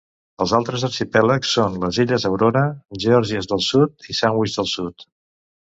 Els altres arxipèlags són les illes Aurora, Gòrgies del Sud i Sandwich del Sud.